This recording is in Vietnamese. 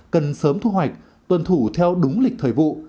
cần sớm thu hoạch tuân thủ theo đúng lịch thời vụ